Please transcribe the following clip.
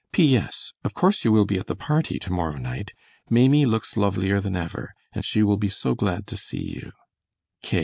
P. S. Of course you will be at the party to morrow night. Maimie looks lovelier than ever, and she will be so glad to see you.